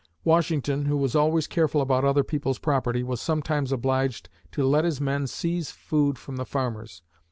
Washington, who was always careful about other people's property, was sometimes obliged to let his men seize food from the farmers.